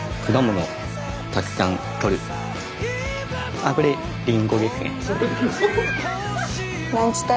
あっこれリンゴですね。